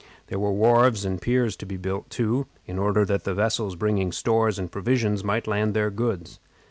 There were wharves and piers to be built too, in order that the vessels bringing stores and provisions might land their goods.